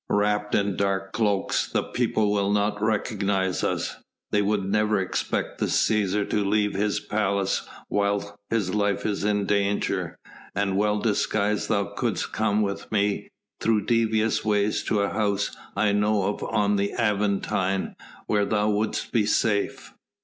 Wrapped in dark cloaks the people will not recognise us. They would never expect the Cæsar to leave his palace while his life is in danger, and well disguised thou couldst come with me through devious ways to a house I know of on the Aventine where thou wouldst be safe."